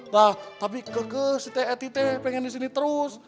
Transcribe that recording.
lah tapi kekeh si teh eh tih teh pengen di sini terus